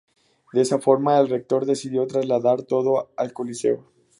De esa forma, el rector decidió trasladar todo al coliseo.